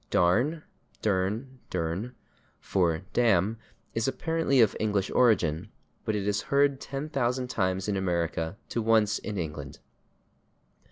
/Darn/ (=/dern/=/durn/) for /damn/ is apparently of English origin, but it is heard ten thousand times in America to once in England.